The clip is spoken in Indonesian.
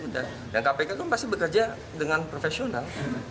dan kpk kan pasti bekerja dengan profesional